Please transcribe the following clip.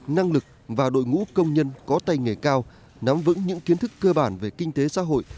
năng lực và đội ngũ công nhân có tay nghề cao nắm vững những kiến thức cơ bản về kinh tế xã hội